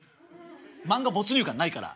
漫画没入感ないから。